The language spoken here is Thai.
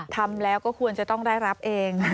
ทำแล้วก็ควรจะต้องได้รับเอง